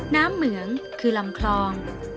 เหมืองคือลำคลอง